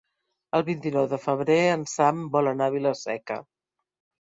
El vint-i-nou de febrer en Sam vol anar a Vila-seca.